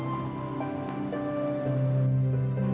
aku nyari kertas sama pulpen dulu ya